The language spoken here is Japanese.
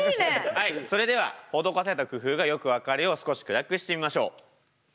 はいそれでは施された工夫がよく分かるよう少し暗くしてみましょう。